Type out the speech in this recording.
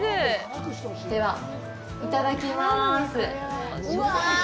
では、いただきます。